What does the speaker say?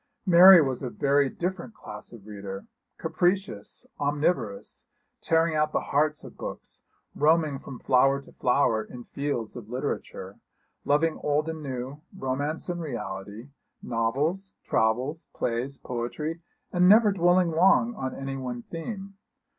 Mary was a very different class of reader; capricious, omniverous, tearing out the hearts of books, roaming from flower to flower in the fields of literature, loving old and new, romance and reality, novels, travels, plays, poetry, and never dwelling long on any one theme.